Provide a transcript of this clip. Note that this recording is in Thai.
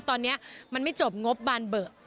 ตอนนี้มันไม่จบงบบานเบิก